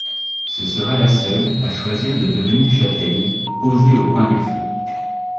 Ce sera la seule à choisir de devenir châtaigne, posée au coin du feu.